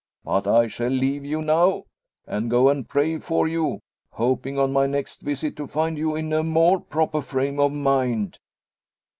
But I shall leave you now, and go and pray for you; hoping, on my next visit, to find you in a more proper frame of mind."